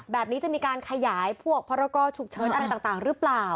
แบบนี้จะมีการขยายพวกพรกรฉุกเฉินอะไรต่างหรือเปล่า